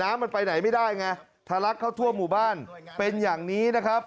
น้ำมันไปไหนไม่ได้ไงทะลักเข้าทั่วหมู่บ้านเป็นอย่างนี้นะครับ